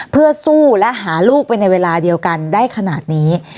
เพื่อสู้และหาลูกไปในเวลาเดียวกันได้ขนาดนี้